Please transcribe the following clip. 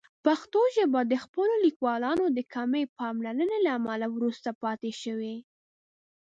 پښتو ژبه د خپلو لیکوالانو د کمې پاملرنې له امله وروسته پاتې شوې.